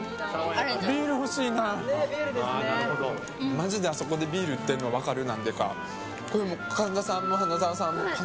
マジであそこでビール売ってるの分かる。